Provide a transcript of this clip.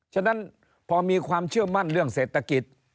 ฉะนั้นพอมีความเชื่อมั่นเรื่องเศรษฐกิจ